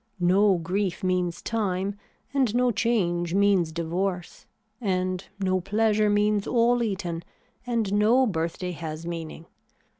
No grief means time and no change means divorce, and no pleasure means all eaten, and no birthday has meaning.